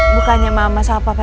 bukannya mama sama papa